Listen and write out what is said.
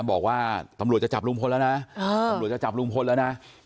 บอกว่าตำรวจจะจับลุงพลแล้วนะ